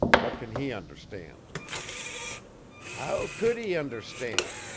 What can he understand?" "How could he understand!"